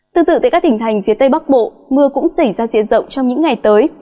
tương tự tại các tỉnh thành phía tây bắc bộ mưa cũng xảy ra diện rộng trong những ngày tới